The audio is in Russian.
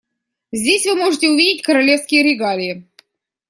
Здесь вы можете увидеть королевские регалии.